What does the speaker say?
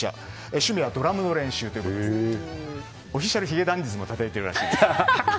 趣味はドラムの練習ということでＯｆｆｉｃｉａｌ髭男ｄｉｓｍもたたいてるらしい。